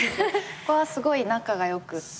ここはすごい仲がよくって。